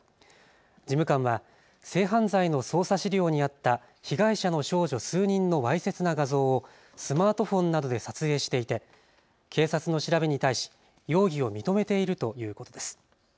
事務官は性犯罪の捜査資料にあった被害者の少女数人のわいせつな画像をスマートフォンなどで撮影していて警察の調べに対し容疑を認めているということです。